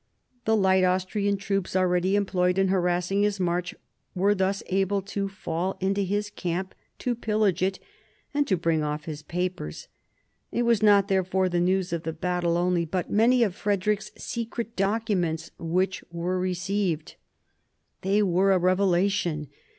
The light Austrian troops already employed in harass ing his march were thus able to fall upon his camp, to pillage it and to bring off his papers. It was not there fore the news of the battle only, but many of Frederick's secret documents, which were received. They were a revelation.